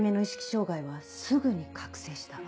障害はすぐに覚醒した。